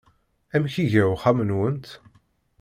Amek iga uxxam-nwent?